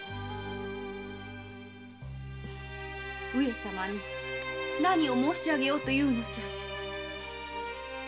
上様に何を申しあげようと言うのじゃ？